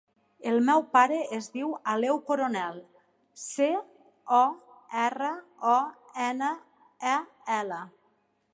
El meu pare es diu Aleu Coronel: ce, o, erra, o, ena, e, ela.